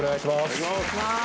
大吉）お願いします。